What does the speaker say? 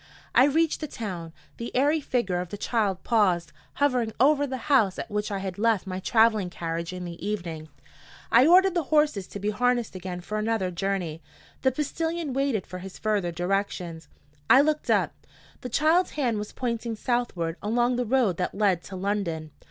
I reached the town. The airy figure of the child paused, hovering over the house at which I had left my traveling carriage in the evening. I ordered the horses to be harnessed again for another journey. The postilion waited for his further directions. I looked up. The child's hand was pointing southward, along the road that led to London.